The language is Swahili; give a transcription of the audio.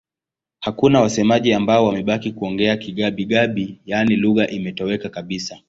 Hakuna wasemaji ambao wamebaki kuongea Kigabi-Gabi, yaani lugha imetoweka kabisa.